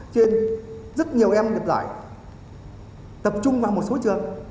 cho nên rất nhiều em gặp lại tập trung vào một số trường